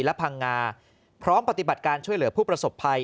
และพังงาพร้อมปฏิบัติการช่วยเหลือผู้ประสบภัย